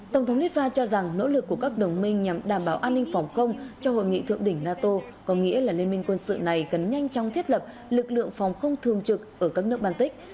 tổng thống litva cho rằng nỗ lực của các đồng minh nhằm đảm bảo an ninh phòng không cho hội nghị thượng đỉnh nato có nghĩa là liên minh quân sự này cần nhanh chóng thiết lập lực lượng phòng không thường trực ở các nước baltic